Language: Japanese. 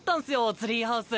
ツリーハウス。